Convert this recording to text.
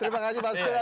terima kasih pak sudara